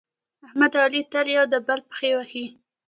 احمد او علي تل یو د بل پښې وهي.